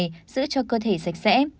giữ cho cơ thể sạch sẽ